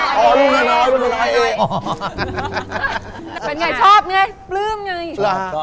เป็นไงชอบไงปลื้มไง